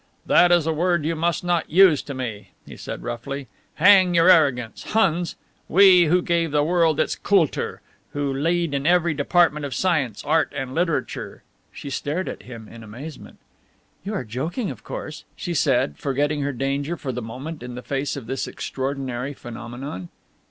"That is a word you must not use to me," he said roughly "hang your arrogance! Huns! We, who gave the world its kultur, who lead in every department of science, art and literature!" She stared at him in amazement. "You are joking, of course," she said, forgetting her danger for the moment in face of this extraordinary phenomenon.